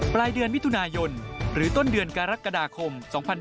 ปลายเดือนมิถุนายนหรือต้นเดือนกรกฎาคม๒๕๖๒